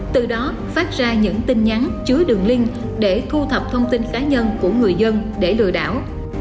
từ đó phát ra những tin nhắn chứa đường link để thu thập thông tin cá nhân của người dân để lừa đảo